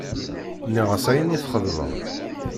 Nniɣ-as ayen i txedmeḍ.